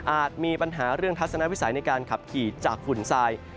มีปัญหาเรื่องทัศนวิสัยในการขับขี่จากฝุ่นทราย